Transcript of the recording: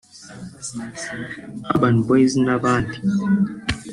Urban Boys n’abandi